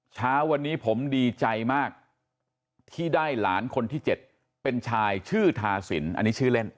เช้าวันนี้ผมดีใจมากที่ได้หลานคนที่๗เป็นชายชื่อทาสินอันนี้ชื่อเล่น